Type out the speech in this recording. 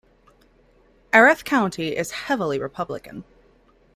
Erath County is heavily Republican.